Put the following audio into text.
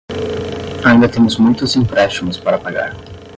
Ainda temos muitos empréstimos para pagar.